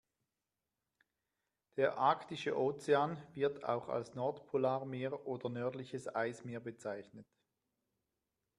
Der Arktische Ozean, wird auch als Nordpolarmeer oder nördliches Eismeer bezeichnet.